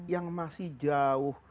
yang masih jauh